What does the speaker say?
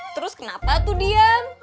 terus kenapa tuh diam